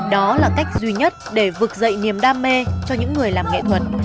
đó là cách duy nhất để vực dậy niềm đam mê cho những người làm nghệ thuật